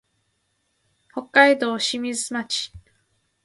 北海道小清水町